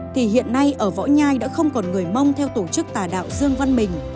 thì hiện nay ở võ nhai đã không còn người mông theo tổ chức tà đạo dương văn mình